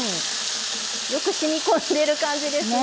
よくしみ込んでる感じですね。